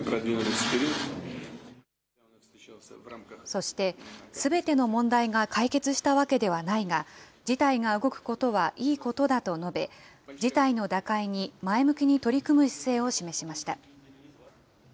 そして、すべての問題が解決したわけではないが、事態が動くことはいいことだと述べ、事態の打開に前向きに取り組む姿勢を示しました。